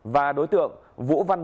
và đối tượng vũ văn văn